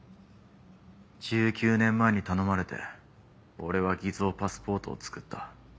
１９年前に頼まれて俺は偽造パスポートをつくった。